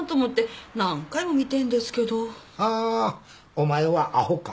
お前はアホか？